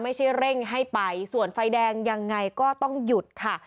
ไม่ใช่เร่งให้ไปส่วนไฟแดงยังไงก็ต้องหยุดค่ะ